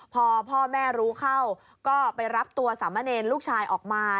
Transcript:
พอพ่อแม่รู้เข้าก็ไปรับตัวสามะเนรลูกชายออกมา